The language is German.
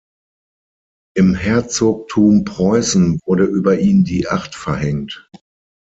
Im Herzogtum Preußen wurde über ihn die Acht verhängt.